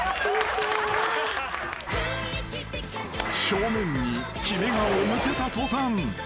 ［正面に決め顔を向けた途端］